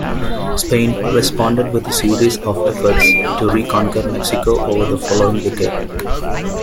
Spain responded with a series of efforts to reconquer Mexico over the following decade.